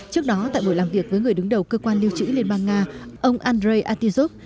trước đó tại buổi làm việc với người đứng đầu cơ quan lưu trữ liên bang nga ông andrei atizov